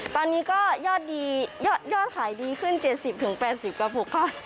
ตอนนี้ก็ยอดขายดีขึ้น๗๐๘๐กระปุกค่ะ